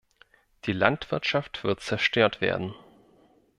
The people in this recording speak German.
Die Landwirtschaft wird zerstört werden.